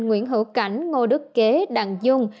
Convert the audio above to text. nguyễn hữu cảnh ngô đức kế đặng dung